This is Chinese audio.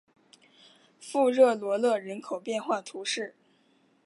富热罗勒人口变化图示